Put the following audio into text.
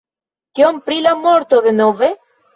Kion pri la morto denove?